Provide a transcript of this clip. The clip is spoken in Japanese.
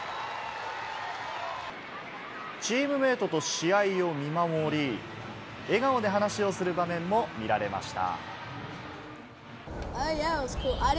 チームメートと試合を見守り、笑顔で話をする場面も見られました。